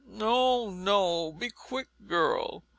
"No, no; be quick, girl!"